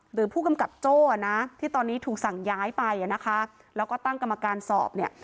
หรือผู้กำกับโจ้ะนะที่ตอนนี้ถูกสั่งย้ายไปอ่ะนะคะแล้วก็ตั้งกรรมการสอบเนี่ย